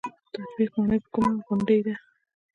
تاج بیګ ماڼۍ په کومه غونډۍ ده؟